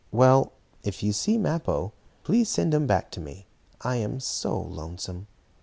Well, if you see Mappo, please send him back to me. I am so lonesome."